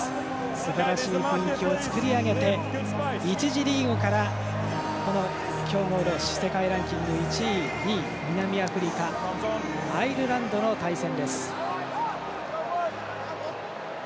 すばらしい雰囲気を作り上げて１次リーグから、この強豪同士世界ランキング１位、２位南アフリカ、アイルランドの対戦。